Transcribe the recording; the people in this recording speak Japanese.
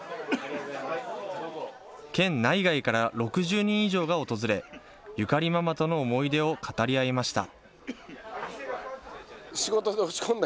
県内外から６０人以上が訪れ、ユカリママとの思い出を語り合いました。